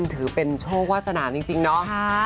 ถือเป็นโชควาสนาจริงเนาะ